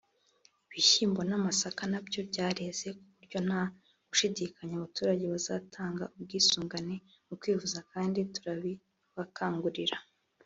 ibishyimbo n’amasaka nabyo byareze ku buryo nta gushidikanya abaturage bazatanga ubwisungane mu kwivuza kandi turabibakangurira "